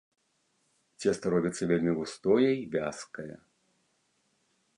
Цеста робіцца вельмі густое й вязкае.